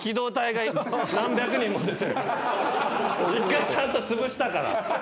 １回ちゃんとつぶしたから。